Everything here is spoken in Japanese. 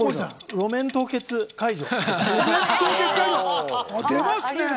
路面凍結解除。